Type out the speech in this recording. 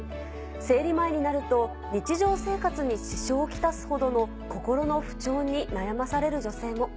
生理前になると日常生活に支障を来すほどの心の不調に悩まされる女性も。